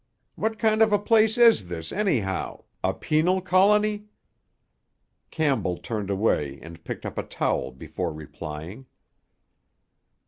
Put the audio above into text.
What kind of a place is this, anyhow—a penal colony?" Campbell turned away and picked up a towel before replying.